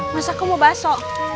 mas aku mau baso